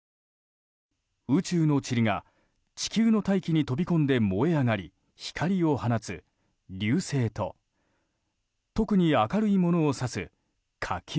宇宙のちりが地球の大気に飛び込んで燃え上がり光を放つ流星と特に明るいものを指す火球。